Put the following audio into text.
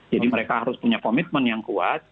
jadi mereka harus punya komitmen yang kuat